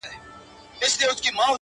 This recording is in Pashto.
• ستا د مستۍ په خاطر؛